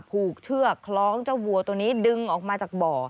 ผูกเชือกคล้องเจ้าวัวตัวนี้ดึงออกมาจากบ่อ